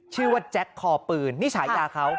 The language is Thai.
ชื่อว่าแจ็คคอปืนนี่ฉายาเขา